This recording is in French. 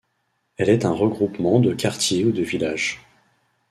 Elle est un regroupement de quartiers ou de villages.